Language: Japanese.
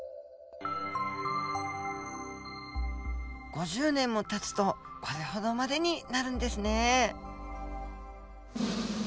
５０年もたつとこれほどまでになるんですね。